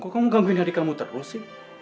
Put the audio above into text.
kok kamu gangguin hari kamu terus sih